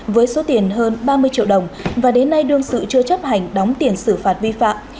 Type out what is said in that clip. với số tiền hơn ba mươi triệu đồng và đến nay đương sự chưa chấp hành đóng tiền xử phạt vi phạm